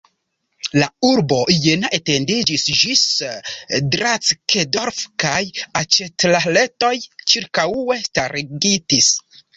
La urbo Jena etendiĝis ĝis Drackedorf kaj aĉethaletoj ĉirkaŭe starigitis.